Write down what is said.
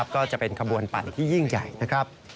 ก็จะเป็นขบวนปั่นที่ยิ่งใหญ่นะครับ